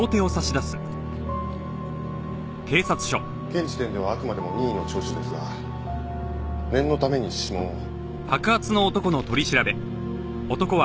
現時点ではあくまでも任意の聴取ですが念のために指紋を。